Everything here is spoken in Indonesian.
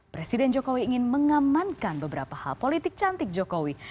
presiden jokowi ingin mengamankan beberapa hal politik cantik jokowi